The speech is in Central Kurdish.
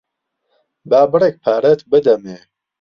با بڕێک پارەت بدەمێ.